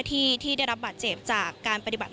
ขณะที่ในวันนี้นะคะหลายท่านได้เดินทางมาเยี่ยมผู้ได้รับบาดเจ็บนะคะ